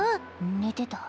寝てた？